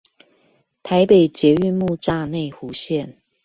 台北捷運木柵內湖線